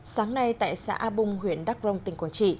sáng nay tại xã a bung huyện đắk rông tỉnh quảng trị